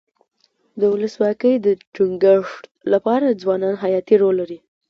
د ولسواکۍ د ټینګښت لپاره ځوانان حیاتي رول لري.